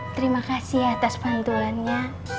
terimakasih atas bantuannya